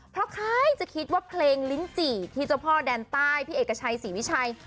เพราะใครจะคิดว่าเพลงลิ้นจี่ที่เจ้าพ่อแดนใต้พี่เอกชัยศรีวิชัย